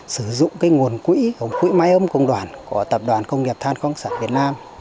sử dụng nguồn quỹ mái ấm công đoàn của tập đoàn công nghiệp than công sở việt nam